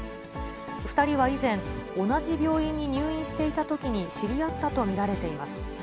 ２人は以前、同じ病院に入院していたときに知り合ったと見られています。